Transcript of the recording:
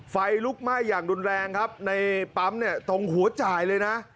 ไฟลุกไหม้อย่างรุนแรงในปั๊มตรงหัวจ่ายเลยนะ